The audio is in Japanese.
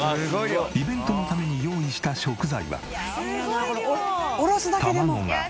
イベントのために用意した食材は。